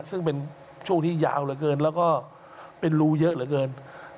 ซึ่งเป็นช่วงที่ยาวเหลือเกินแล้วก็เป็นรูเยอะเหลือเกิน